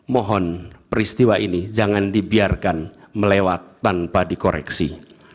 mohon peristiwa ini jangan dibiarkan melewat tanpa dikoreksi